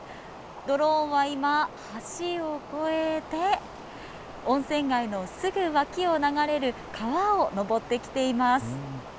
ドローンは今、橋を越えて、温泉街のすぐ脇を流れる川を上ってきています。